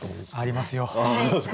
ありますよ。